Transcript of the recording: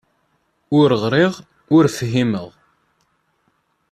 Ur ɣriɣ, ur fhimeɣ.